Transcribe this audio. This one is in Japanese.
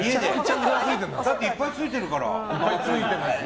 だっていっぱいついてるから。